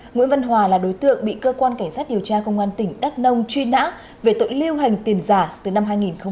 nguyễn văn hòa là đối tượng bị cơ quan cảnh sát điều tra công an tỉnh đắk nông truy nã về tội lưu hành tiền giả từ năm hai nghìn một mươi